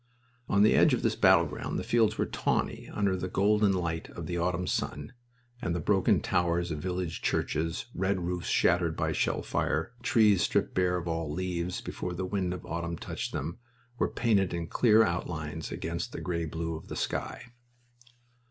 On the edge of this battleground the fields were tawny under the golden light of the autumn sun, and the broken towers of village churches, red roofs shattered by shell fire, trees stripped bare of all leaves before the wind of autumn touched them, were painted in clear outlines against the gray blue of the sky.